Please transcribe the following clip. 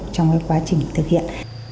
trong cái quá trình thực hiện